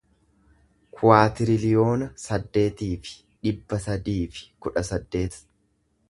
kuwaatiriliyoona saddeetii fi dhibba sadii fi kudha saddeet